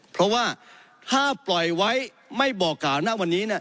เพราะว่าถ้าปล่อยไว้ไม่บอกกล่าวณวันนี้